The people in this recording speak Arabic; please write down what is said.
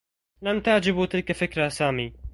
لم تعجب تلك فكرة سامي.